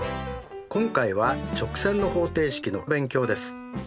今回は直線の方程式の勉強です。